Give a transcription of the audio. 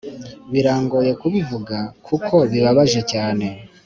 birangoye kubivuga kuko bibabaje cyane